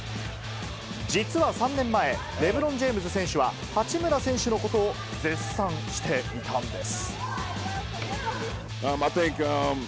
実は３年前、レブロン・ジェームズ選手は、八村選手のことを絶賛していたんです。